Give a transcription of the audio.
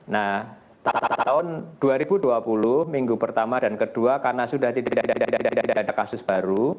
nah tahun dua ribu dua puluh minggu pertama dan kedua karena sudah tidak ada kasus baru